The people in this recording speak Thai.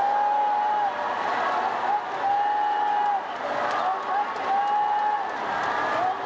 โอ้มัสดีครับ